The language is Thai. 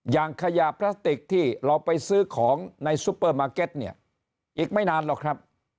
อย่างขยะพลาสติกที่เราไปซื้อของในซุปเปอร์มาร์เก็ตเนี่ยอีกไม่นานหรอกครับ